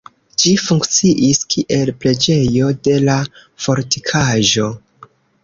Ĝi funkciis, kiel preĝejo de la fortikaĵo.